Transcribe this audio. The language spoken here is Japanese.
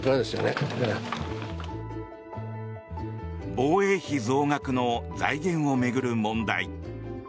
防衛費増額の財源を巡る問題。